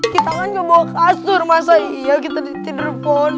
kita kan ke bawah kasur masa iya kita ditidur pohon